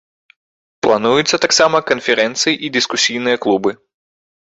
Плануюцца таксама канферэнцыі і дыскусійныя клубы.